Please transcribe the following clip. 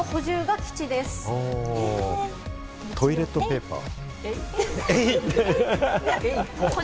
トイレットペーパー。